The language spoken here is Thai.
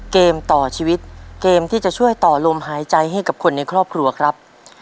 เกมต่อชีวิตเกมที่จะช่วยต่อลมหายใจให้กับคนในครอบครัวครับ